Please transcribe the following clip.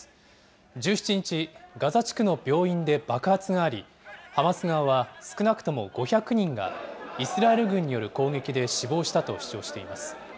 １７日、ガザ地区の病院で爆発があり、ハマス側は、少なくとも５００人がイスラエル軍による攻撃で死亡したと主張しています。